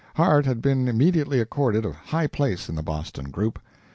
Harte had been immediately accorded a high place in the Boston group.